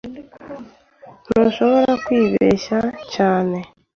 Ntushobora kwibeshya cyane.